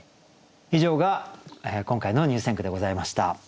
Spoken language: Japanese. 以上が今回の入選句でございました。